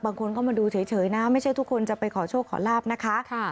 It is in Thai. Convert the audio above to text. บางคนก็มาดูเฉยนะไม่ใช่ทุกคนจะไปขอโชคขอลาบนะคะ